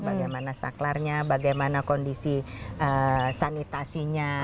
bagaimana saklarnya bagaimana kondisi sanitasinya